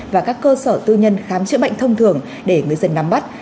và các cơ sở tư nhân khám chữa bệnh thông thường để người dân nắm bắt